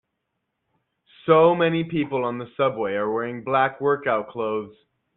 So many people on the subway are wearing black workout clothes.